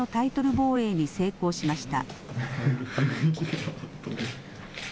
防衛に成功しました。